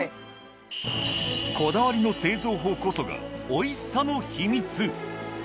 こだわりの製造法こそがおいしさの秘密！